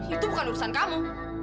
itu bukan urusan kamu